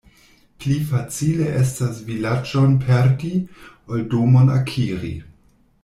Pli facile estas vilaĝon perdi, ol domon akiri.